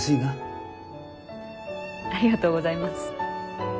ありがとうございます。